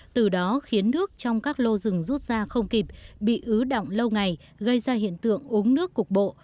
từ đó khiến nước trong các lô rừng rút ra không kịp bị ứ động lâu ngày gây ra hiện tượng uống nước cục bộ